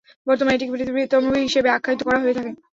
বর্তমানেও এটিকে পৃথিবীর বৃহত্তম হিসেবে আখ্যায়িত করা হয়ে থাকে।